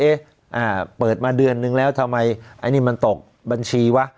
อ่าเปิดมาเดือนนึงแล้วทำไมไอ้นี่มันตกบัญชีวะ